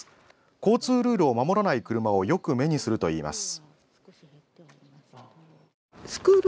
交通ルールを守らない車をよく目にするといいます。